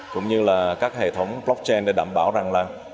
cũng như là các hệ thống blockchain để đảm bảo rằng là